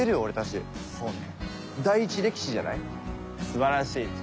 第一歴史じゃない？素晴らしい。